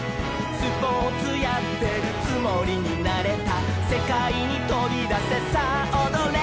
「スポーツやってるつもりになれた」「せかいにとびだせさあおどれ」